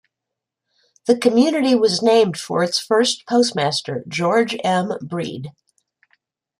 The community was named for its first postmaster, George M. Breed.